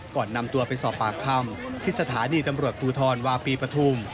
ก่อนนำตัวไปสอบปากคำที่สถานีตำรวจภูทรวาปีปฐุม